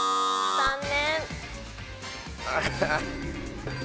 残念！